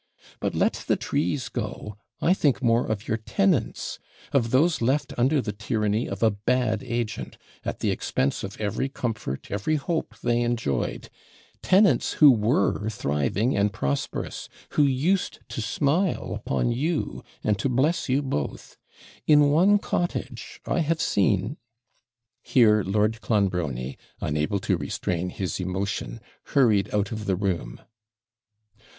But let the trees go; I think more of your tenants of those left under the tyranny of a bad agent, at the expense of every comfort, every hope they enjoyed! tenants, who were thriving and prosperous; who used to smile upon you, and to bless you both! In one cottage, I have seen ' Here Lord Clonbrony, unable to restrain his emotion, hurried out of the room.